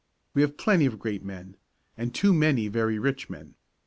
We have plenty of great men, and too many very rich men.